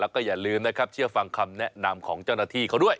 แล้วก็อย่าลืมนะครับเชื่อฟังคำแนะนำของเจ้าหน้าที่เขาด้วย